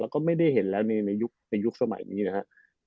แล้วก็ไม่ได้เห็นแล้วในยุคสมัยนี้นะฮะ